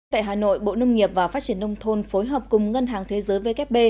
tại hà nội bộ nông nghiệp và phát triển nông thôn phối hợp cùng ngân hàng thế giới vkp